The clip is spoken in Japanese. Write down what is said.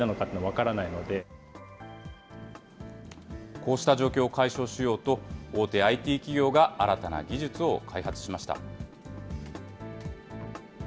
こうした状況を解消しようと、大手ＩＴ企業が新たな技術を開発しました。